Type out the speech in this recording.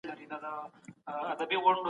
که زکات کافي نه وي نو حکومت څه کوي؟